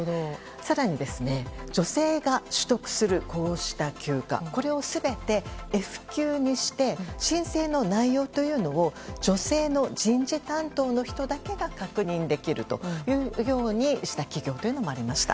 更に女性が取得するこうした休暇これを全てＦ休にして申請の内容というのを女性の人事担当の人だけが確認できるというようにした企業もありました。